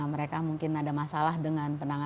nah mereka mungkin ada masalah dengan perhubungan hewan